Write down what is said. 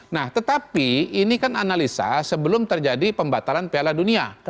nah tetapi ini kan analisa sebelum terjadi pembatalan piala dunia